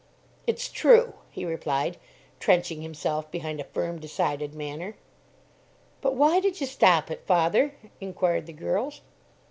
"It's true," he replied, trenching himself behind a firm, decided manner. "But why did you stop it, father?" inquired the girls.